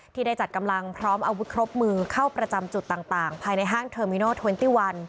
ที่ได้จัดกำลังพร้อมอาวุธครบมือเข้าประจำจุดต่างภายในห้างเทอร์มิโนเทนตี้วัน